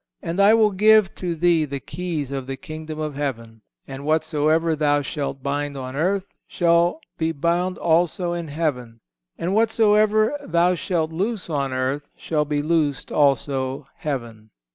And I will give to thee the keys of the Kingdom of Heaven: and whatsoever thou shalt bind on earth shall be bound also in heaven; and whatsoever thou shalt loose on earth shall be loosed also heaven."